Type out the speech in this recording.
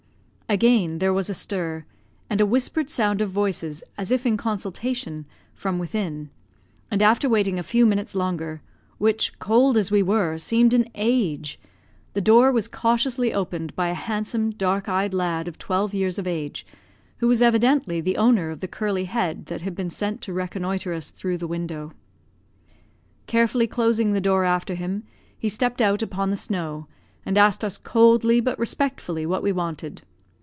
Again there was a stir, and a whispered sound of voices, as if in consultation, from within; and after waiting a few minutes longer which, cold as we were, seemed an age the door was cautiously opened by a handsome, dark eyed lad of twelve years of age, who was evidently the owner of the curly head that had been sent to reconnoitre us through the window. Carefully closing the door after him, he stepped out upon the snow, and asked us coldly but respectfully what we wanted.